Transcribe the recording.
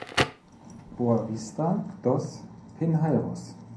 Boavista dos Pinheiros